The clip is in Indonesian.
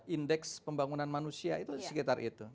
indeks pembangunan manusia itu sekitar itu